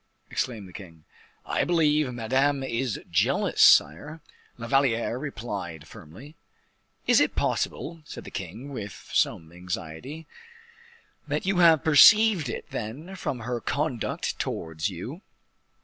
exclaimed the king. "I believe Madame is jealous, sire," La Valliere replied, firmly. "Is it possible," said the king with some anxiety, "that you have perceived it, then, from her conduct towards you?